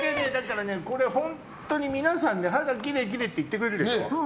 これ本当に皆さん肌きれい、きれいって言ってくれるでしょ。